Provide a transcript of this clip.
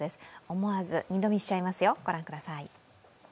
思わず二度見しちゃいますよ、御覧ください。